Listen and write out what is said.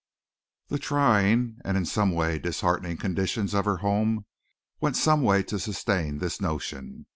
The trying and in a way disheartening conditions of her home went some way to sustain this notion.